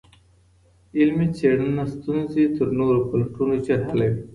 علمي څېړنه ستونزي تر نورو پلټنو ژر حلوي.